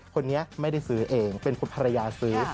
คนนี้ไม่ได้ซื้อเองเป็นคุณภรรยาซื้อ